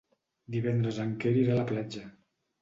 Divendres en Quer irà a la platja.